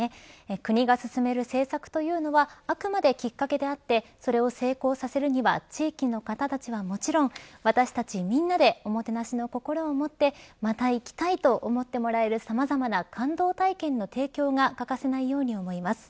国が進める政策というのはあくまできっかけであってそれを成功させるには地域の方たちはもちろん私たち皆でおもてなしの心を持ってまた行きたいと思ってもらえるさまざまな感動体験の提供が欠かせないように思います。